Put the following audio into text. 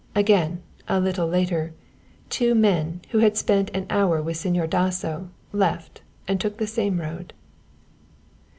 Again, a little later, two men who had spent an hour with Señor Dasso left and took the same road.